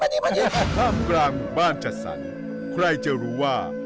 ข้ามกลางหมู่บ้านจัดสรรใครจะรู้ว่า